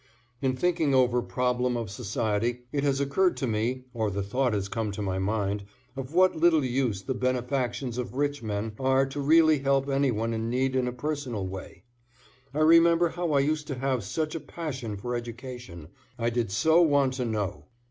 In thinking over problem of society it has occurred to me, or the thought has come to my mind of what little use the benefactions of rich men are to really help anyone in need in a personal way. I remember how I used to have such a passion for education I did so want to know.